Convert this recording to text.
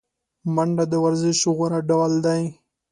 منډه د ورزش غوره ډول دی